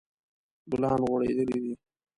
ګلان غوړیدلی دي